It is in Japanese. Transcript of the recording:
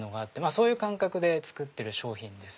そういう感覚で作ってる商品です。